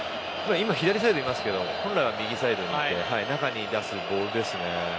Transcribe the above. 今は左サイドにいますけど本来は右サイドにいて中に出すボールですね。